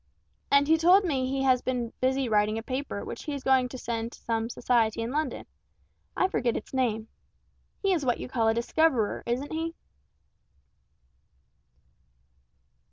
And he told me he has been busy writing a paper which he is going to send to some society in London I forget its name. He is what you call a discoverer, isn't he?"